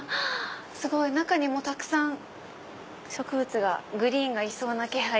すごい！中にもたくさん植物がグリーンがいそうな気配が。